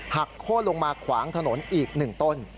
หักโค้ดลงมาขวางถนนอีกหนึ่งต้น